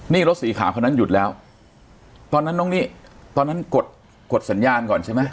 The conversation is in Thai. นี่รถสีขาวคนนั้นหยุดแล้วตอนนั้นน้องนี่ตอนนั้นกดกดสัญญาณก่อนใช่ไหม